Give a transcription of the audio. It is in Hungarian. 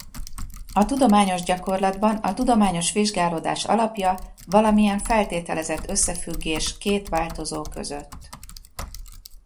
A tudományos gyakorlatban a tudományos vizsgálódás alapja valamilyen feltételezett összefüggés két változó között.